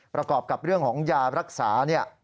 ประกอบกับเรื่องของยารักษาเนี่ย